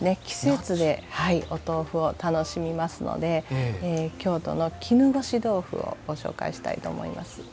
季節でお豆腐を楽しみますので京都の絹ごし豆腐をご紹介したいと思います。